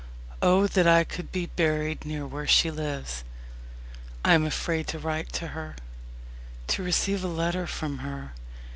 O that I could be buried near where she lives! I am afraid to write to her to receive a letter from her.